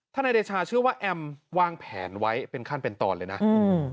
นายเดชาเชื่อว่าแอมวางแผนไว้เป็นขั้นเป็นตอนเลยนะอืม